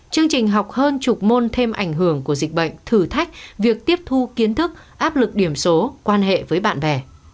chương trình học hơn chục môn thêm ảnh hưởng của dịch bệnh thử thách việc tiếp thu kiến thức áp lực điểm số quan hệ với bạn bè